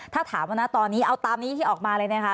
ถ้าถามว่านะตอนนี้เอาตามนี้ที่ออกมาเลยนะคะ